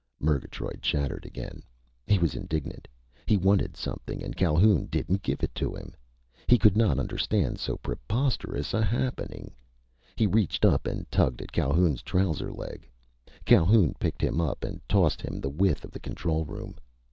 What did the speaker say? Murgatroyd chattered again. He was indignant. He wanted something and Calhoun didn't give it to him. He could not understand so preposterous a happening. He reached up and tugged at Calhoun's trouser leg. Calhoun picked him up and tossed him the width of the control room.